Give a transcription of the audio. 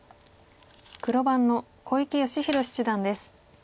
黒番の小池芳弘七段です。